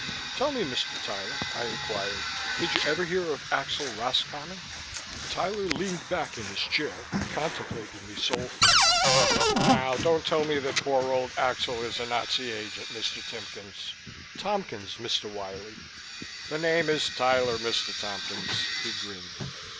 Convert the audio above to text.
"Tell me, Mr. Tyler," I inquired, "did you ever hear of Axel Roscommon?" Tyler leaned back in his chair and contemplated me soulfully. "Now don't tell me that poor old Axel is a Nazi agent, Mr. Timkins " "Tompkins, Mr. Wiley." "The name is Tyler, Mr. Tompkins," he grinned.